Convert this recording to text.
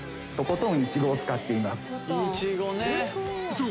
［そう。